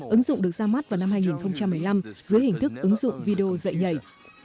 ứng dụng được ra mắt vào năm hai nghìn một mươi năm dưới hình thức ứng dụng video dạy nhảy